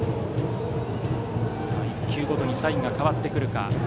１球ごとにサインが変わってくるか。